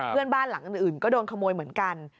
เพื่อนบ้านหลังอื่นก็โดนขโมยเหมือนกัน